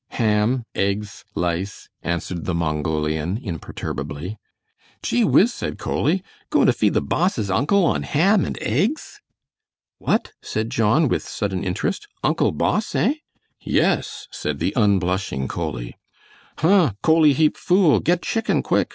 "Ham, eggs, lice," answered the Mongolian, imperturbably. "Gee whiz!" said Coley, "goin' to feed the boss' uncle on ham and eggs?" "What?" said John, with sudden interest, "Uncle boss, eh?" "Yes," said the unblushing Coley. "Huh! Coley heap fool! Get chicken, quick!